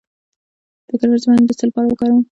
د کرفس پاڼې د څه لپاره وکاروم؟